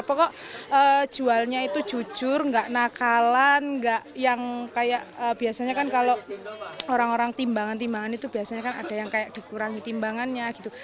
pokoknya jualnya itu jujur nggak nakalan nggak yang kayak biasanya kan kalau orang orang timbangan timbangan itu biasanya kan ada yang kayak dikurangi timbangannya gitu